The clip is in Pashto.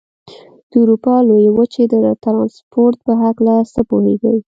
د اروپا لویې وچې د ترانسپورت په هلکه څه پوهېږئ؟